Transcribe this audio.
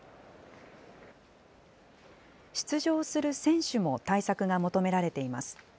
出場する選手も対策が求められています。